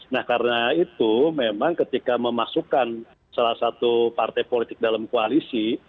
nah karena itu memang ketika memasukkan salah satu partai politik dalam koalisi